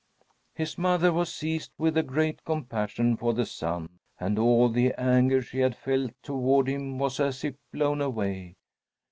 His mother was seized with a great compassion for the son, and all the anger she had felt toward him was as if blown away.